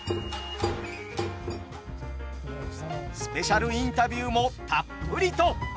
スペシャルインタビューもたっぷりと。